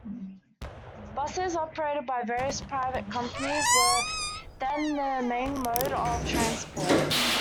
Buses operated by various private companies were then the main mode of transport.